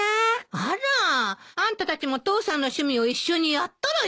あらあんたたちも父さんの趣味を一緒にやったらいいじゃない。